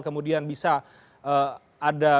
kemudian bisa ada